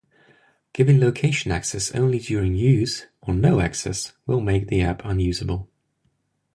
Giving location access only during use or no access will make the app unusable.